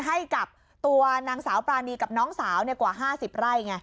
ให้กับตัวนางสาวปรานีกับน้องสาวกว่า๕๐ไร่ไง